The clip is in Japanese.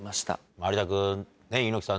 有田君猪木さん